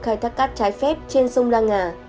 khai thác cát trái phép trên sông la ngà